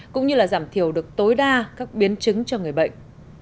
cũng như là giảm thiểu được tối đa các biến chứng cho người bệnh